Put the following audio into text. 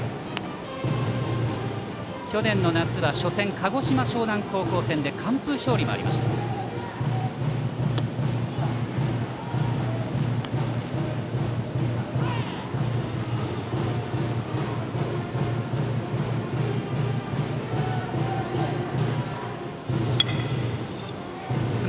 去年の夏は初戦鹿児島樟南高校戦で完封勝利もあった上山。